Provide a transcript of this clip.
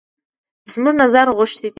زموږ نظر غوښتی وای.